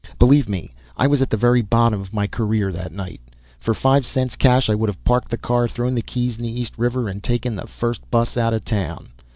Believe me, I was at the very bottom of my career that night. For five cents cash I would have parked the car, thrown the keys in the East River, and taken the first bus out of town.